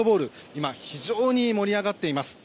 今、非常に盛り上がっています。